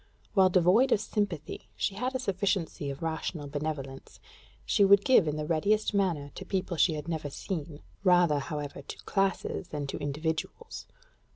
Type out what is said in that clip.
While devoid of sympathy, she had a sufficiency of rational benevolence: she would give in the readiest manner to people she had never seen rather, however, to classes than to individuals.